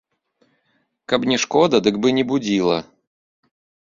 Каб не шкода, дык бы не будзіла.